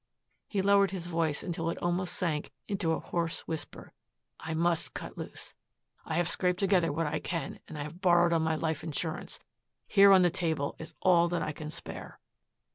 He lowered his voice until it almost sank into a hoarse whisper. "I must cut loose. I have scraped together what I can and I have borrowed on my life insurance. Here on the table is all that I can spare.